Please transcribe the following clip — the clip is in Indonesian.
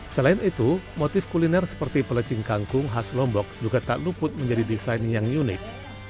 selain itu motif kuliner seperti pelecing kangkung khas lombok juga tak luput menjadi desain yang unik